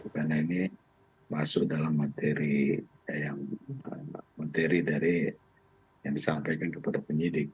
karena ini masuk dalam materi dari yang disampaikan kepada penyidik